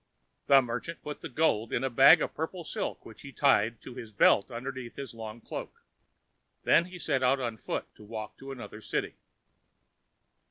The merchant put the gold in a bag of purple silk which he tied to his belt underneath his long cloak. Then he set out on foot to walk to another city.